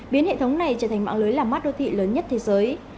biến hệ thống này trở thành mạng lưới làm mắt đô thị lớn nhất thế giới